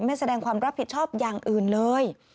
แสดงความรับผิดชอบอย่างอื่นเลย